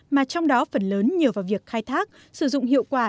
mà trong đó phần lớn nhờ vào việc khai thác sử dụng hiệu quả